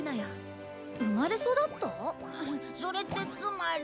それってつまり。